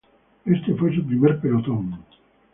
Ese fue su primer pelotón.